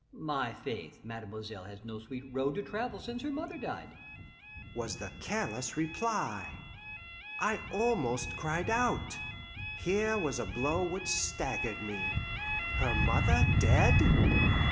"My faith, mademoiselle has no sweet road to travel since her mother died," was the careless reply. I almost cried out. Here was a blow which staggered me. Her mother dead!